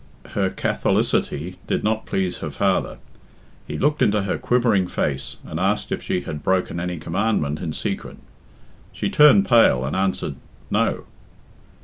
Her catholicity did not please her father. He looked into her quivering face, and asked if she had broken any commandment in secret. She turned pale, and answered "No."